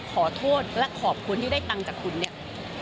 ขอโทษและขอบคุณที่ได้ตังค์จากคุณเนี่ย